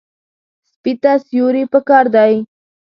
سپي ته سیوري پکار دی.